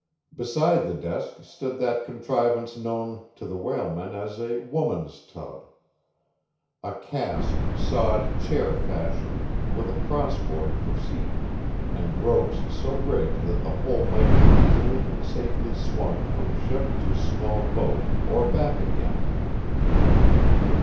Beside the desk stood that contrivance known to the whalemen as a "woman's tub"; a cask, sawed chair fashion, with a cross board for seat, and ropes so rigged that the whole might be easily and safely swung from ship to small boat or back again.